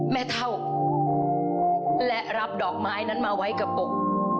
แม่เท่าและรับดอกไม้นั้นมาไว้กระปุก